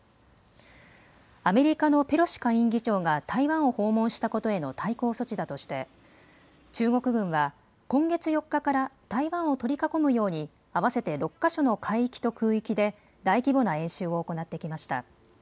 アメリカのペロシ下院議長が台湾を訪問したことへの対抗措置だとして中国軍は今月４日から台湾を取り囲むように合わせて６か所の海域と空域で大規模な演習を行ってきました。